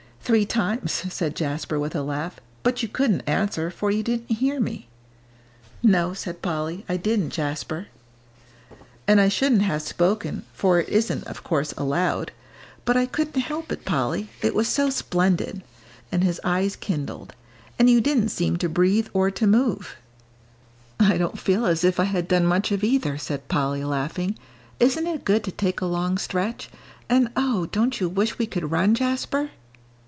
"Three times," said Jasper, with a laugh, "but you couldn't answer, for you didn't hear me." "No," said Polly, "I didn't, Jasper." "And I shouldn't have spoken, for it isn't, of course, allowed. But I couldn't help it, Polly, it was so splendid," and his eyes kindled. "And you didn't seem to breathe or to move." "I don't feel as if I had done much of either," said Polly, laughing. "Isn't it good to take a long stretch? And oh, don't you wish we could run, Jasper?"